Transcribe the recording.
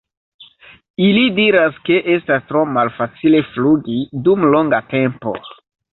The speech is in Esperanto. Ili diras ke estas tro malfacile flugi dum longa tempo.